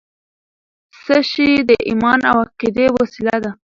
څه شی د ایمان او عقیدې وسله ده؟